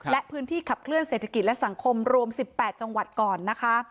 และพื้นที่ขับเคลื่อเศรษฐกิจและสังคมรวม๑๘จังหวัดก่อนนะคะ